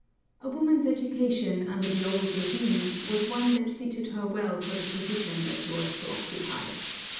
A woman's education, under the old régime, was one that fitted her well for the position that she was to occupy.